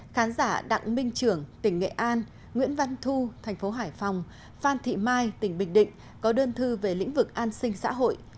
khán giả đặng minh trưởng tỉnh nghệ an nguyễn văn thu thành phố hải phòng phan thị mai tỉnh bình định có đơn thư về lĩnh vực an sinh xã hội